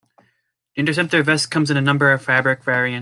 The Interceptor vest comes in a number of fabric variants.